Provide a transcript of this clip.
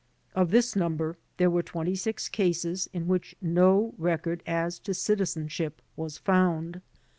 Of this number there were 26 cases in which no record as to citizenship was found.